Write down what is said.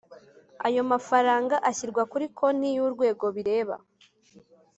Ayo mafaranga ashyirwa kuri konti y’Urwego bireba